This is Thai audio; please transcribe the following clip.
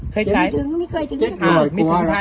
เคยใช้ไม่เคยถึงเหรอครับอ่าไม่ถึง๑๐๐๐อ่ะ